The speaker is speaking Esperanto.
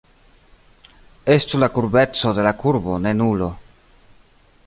Estu la kurbeco de la kurbo ne nulo.